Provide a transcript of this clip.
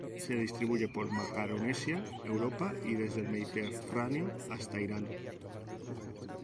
Se distribuye por Macaronesia, Europa y desde el Mediterráneo hasta Irán.